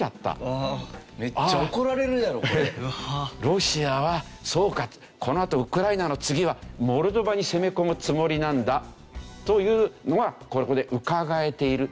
ロシアはそうかこのあとウクライナの次はモルドバに攻め込むつもりなんだというのがここでうかがえている。